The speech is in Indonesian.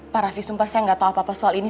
pak raffi sumpah saya nggak tahu apa apa soal ini